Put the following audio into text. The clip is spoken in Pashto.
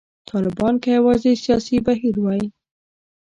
طالبان که یوازې سیاسي بهیر وای.